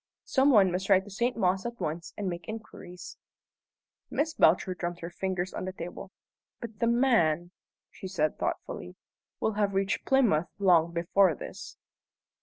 Some one must ride to St. Mawes at once and make inquiries." Miss Belcher drummed her fingers on the table. "But the man," she said thoughtfully, "will have reached Plymouth long before this."